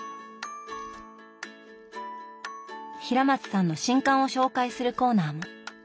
平松さんの新刊を紹介するコーナーも。